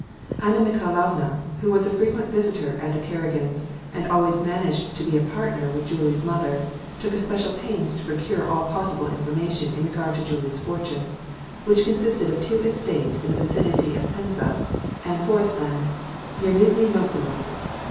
Anna Mikhailovna, who was a frequent visitor at the Kara gins', and always managed to be a partner with Julie's mother, took especial pains to procure all possible information in regard to Julie's fortune — which consisted of two estates in the vicin ity of Penza, and forest lands near Nizhni Novgorod.